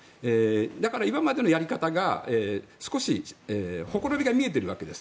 だから今までのやり方が少しほころびが見えているわけです。